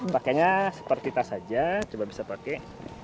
pakainya seperti tas saja coba bisa pakai